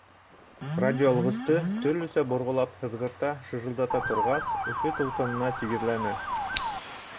Радиоалғысты төрлөсә борғолап һыҙғырта, шыжылдата торғас, Өфө тулҡынына тигеҙләне.